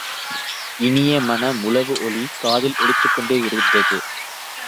இனிய மண முழவு ஒலி காதில் ஒலித்துக் கொண்டே இருந்தது.